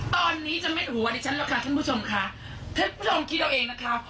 ตอนนี้จะเม็ดหัวดิฉันแล้วค่ะท่านผู้ชมค่ะท่านผู้ชมคิดเอาเองนะคะ